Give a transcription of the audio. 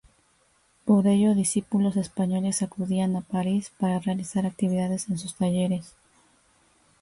Por ello, discípulos españoles acudían a París para realizar actividades en sus talleres.